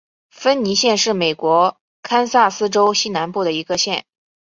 芬尼县是美国堪萨斯州西南部的一个县。